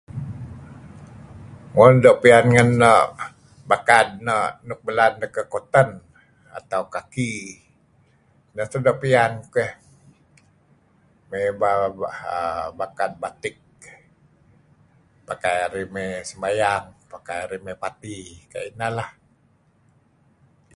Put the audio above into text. Un doo' piyan kuh ngen bakad no' luk belaan deh kuh cotton atau khaki , neh teh doo' piyan kukeh, mey ibal err bakad batik pakai arih mey sembayang pakai arih mey party kayu' ineh lah.